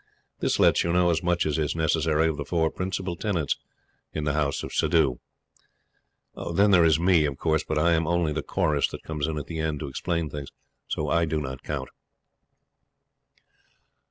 This lets you know as much as is necessary of the four principal tenants in the house of Suddhoo. Then there is Me, of course; but I am only the chorus that comes in at the end to explain things. So I do not count.